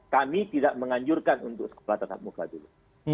kami tidak menganjurkan untuk sekolah tetap muka dulu